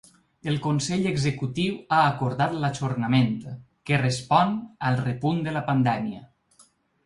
El consell executiu ha acordat l’ajornament, que respon al repunt de la pandèmia.